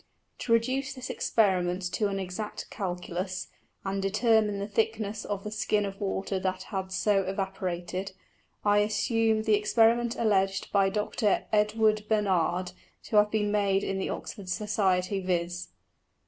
To reduce this Experiment to an exact Calculus, and determine the thickness of the Skin of Water that had so evaporated, I assume the Experiment alledg'd by Dr. Edward Bernard to have been made in the Oxford Society, _viz.